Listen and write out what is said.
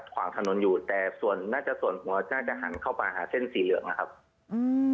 ขวางถนนอยู่แต่ส่วนน่าจะส่วนหัวน่าจะหันเข้าไปหาเส้นสีเหลืองนะครับอืม